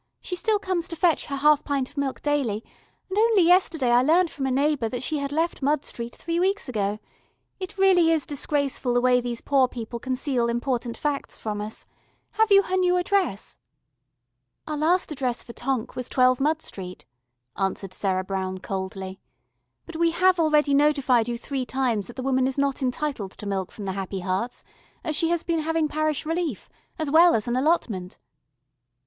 She still comes to fetch her half pint of milk daily, and only yesterday I learnt from a neighbour that she had left Mud Street three weeks ago. It really is disgraceful the way these poor people conceal important facts from us. Have you her new address?" "Our last address for Tonk was 12 Mud Street," answered Sarah Brown coldly. "But we have already notified you three times that the woman is not entitled to milk from the Happy Hearts, as she has been having parish relief, as well as an allotment."